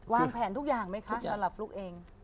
วางแผนทุกอย่างไหมคะสำหรับฟลุ๊กเอง